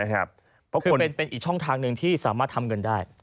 ก็คือเป็นอีกช่องทางหนึ่งที่สามารถทำเงินได้